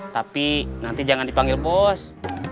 tapi nanti jangan dipanggil bos